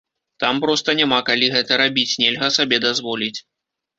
Там проста няма калі гэта рабіць, нельга сабе дазволіць.